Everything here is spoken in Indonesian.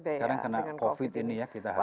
sekarang kena covid ini ya kita habis juga